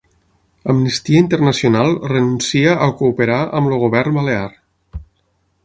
Amnistia Internacional renuncia a cooperar amb el govern balear